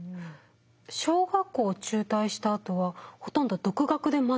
小学校を中退したあとはほとんど独学で学んでいたってことですよね？